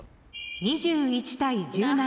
２１対１７。